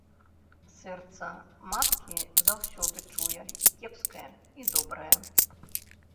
Сэрца маткі заўсёды чуе і кепскае і добрае.